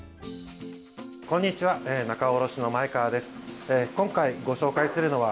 こんにちは。